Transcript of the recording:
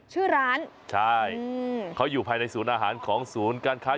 ชื่อร้านใช่อืมเขาอยู่ภายในศูนย์อาหารของศูนย์การค้า